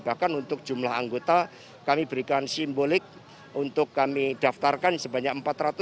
bahkan untuk jumlah anggota kami berikan simbolik untuk kami daftarkan sebanyak empat ratus tujuh puluh tujuh tujuh ratus tujuh puluh tujuh